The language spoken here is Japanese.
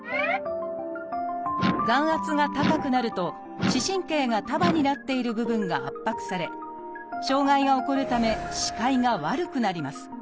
眼圧が高くなると視神経が束になっている部分が圧迫され障害が起こるため視界が悪くなります。